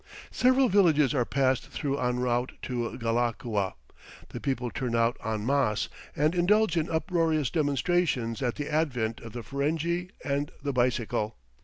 Several villages are passed through en route to Ghalakua; the people turn out en masse and indulge in uproarious demonstrations at the advent of the Ferenghi and the bicycle.